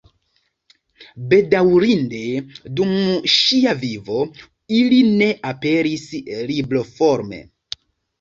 Bedaŭrinde dum ŝia vivo ili ne aperis libroforme.